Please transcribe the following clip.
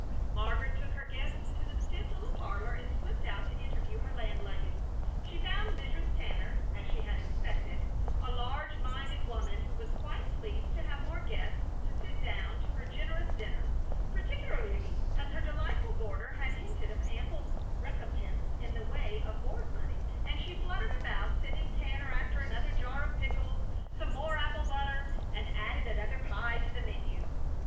Margaret took her guests into the stiff little parlor and slipped out to interview her landlady. She found Mrs. Tanner, as she had expected, a large minded woman who was quite pleased to have more guests to sit down to her generous dinner, particularly as her delightful boarder had hinted of ample recompense in the way of board money; and she fluttered about, sending Tanner after another jar of pickles, some more apple butter, and added another pie to the menu.